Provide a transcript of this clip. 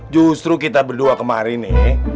justru kita berdua kemari nih